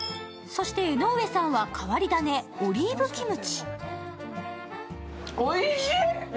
そして江上さんは変わり種・オリーブキムチ。